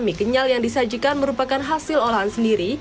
mie kenyal yang disajikan merupakan hasil olahan sendiri